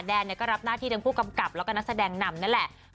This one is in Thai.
แนนก็รับหน้าที่ทั้งผู้กำกับแล้วก็นักแสดงนำนั่นแหละ